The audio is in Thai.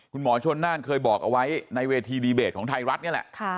คุณหมอชนน่านเคยบอกเอาไว้ในเวทีดีเบตของไทยรัฐนี่แหละ